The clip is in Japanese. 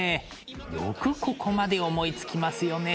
よくここまで思いつきますよね。